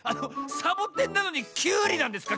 サボテンなのにきゅうりなんですか？